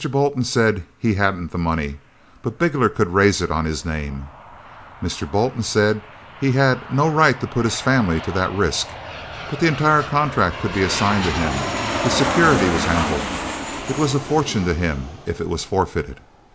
Bolton said he hadn't the money. But Bigler could raise it on his name. Mr. Bolton said he had no right to put his family to that risk. But the entire contract could be assigned to him the security was ample it was a fortune to him if it was forfeited.